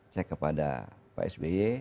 cek kepada pak sby